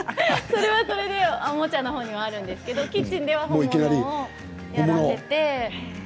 それはそれでおもちゃもあるんですけれどキッチンでちゃんとやらせて。